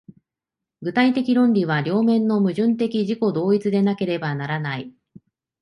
具体的論理は両面の矛盾的自己同一でなければならない。